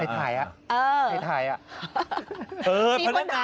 ไอ้ไทยอะไอ้ไทยอะ